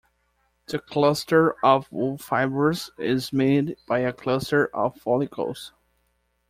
The cluster of wool fibres is made by a cluster of follicles.